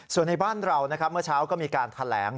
ส่วนในบ้านเรานะครับเมื่อเช้าก็มีการแถลง